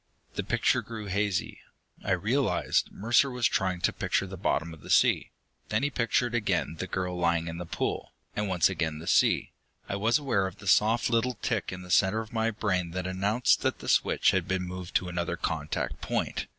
The picture grew hazy; I realized Mercer was trying to picture the bottom of the sea. Then he pictured again the girl lying in the pool, and once again the sea. I was aware of the soft little tick in the center of my brain that announced that the switch had been moved to another contact point.